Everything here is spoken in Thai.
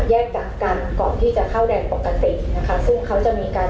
กลับกันก่อนที่จะเข้าแดนปกตินะคะซึ่งเขาจะมีการ